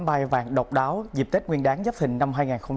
mai vàng độc đáo dịp tết nguyên đáng dắp hình năm hai nghìn hai mươi bốn